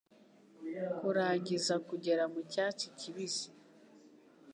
kurangiza kugera mucyatsi kibisi